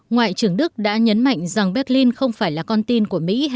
ngoại trưởng đức đã nhấn mạnh rằng berlin không phải là con tin của mỹ hay